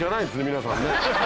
皆さんね。